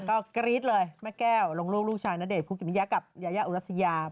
ก็กรี๊ดเลยแม่แก้วลงรูปลูกชายณเดชคุกิมิยะกับยายาอุรัสยา